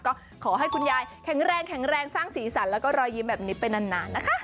ก็ขอให้คุณยายแข็งแรงแข็งแรงสร้างสีสันแล้วก็รอยยิ้มแบบนี้ไปนานนะคะ